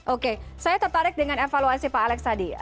oke saya tertarik dengan evaluasi pak alex tadi